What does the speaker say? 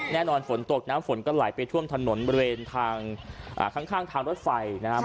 แน่นอนฝนตกน้ำฝนก็ไหลไปท่วมถนนบริเวณทางข้างทางรถไฟนะครับ